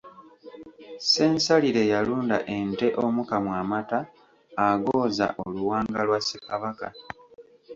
Ssensalire y'alunda ente omukamwa amata agooza oluwanga lwa SseKabaka.